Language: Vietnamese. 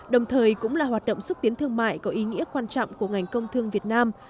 đồng thời cũng là hoạt động xúc tiến thương mại có ý nghĩa quan trọng của ngành công thương việt nam